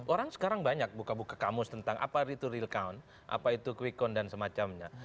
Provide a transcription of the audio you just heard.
orang sekarang banyak buka buka kamus tentang apa itu real count apa itu quick count dan semacamnya